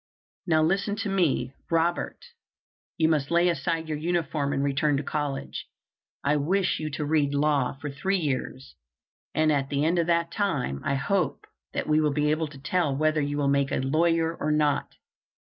Now listen to me, Robert: you must lay aside your uniform, and return to college. I wish you to read law for three years, and at the end of that time I hope that we will be able to tell whether you will make a lawyer or not."